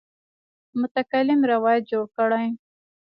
متکلم روایت جوړ کړی.